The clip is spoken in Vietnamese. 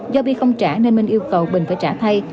do bi không trả nên minh yêu cầu bình phải trả thay